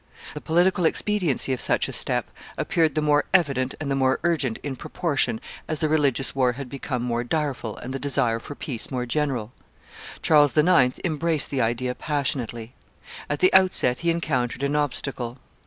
The political expediency of such a step appeared the more evident and the more urgent in proportion as the religious war had become more direful and the desire for peace more general. Charles IX. embraced the idea passionately. At the outset he encountered an obstacle.